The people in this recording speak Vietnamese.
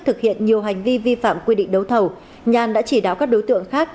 thực hiện nhiều hành vi vi phạm quy định đấu thầu nhàn đã chỉ đáo các đối tượng khác